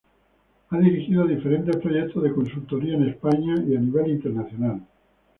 Ha dirigido diferentes proyectos de consultoría en España y a nivel internacional.